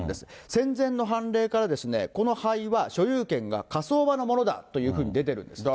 戦前の判例から、この灰は所有権が火葬場のものだというふうに出てるんです。